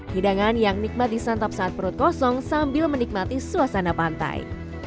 hidangan yang nikmat disantap saat perut kosong sambil menikmati suasana pantai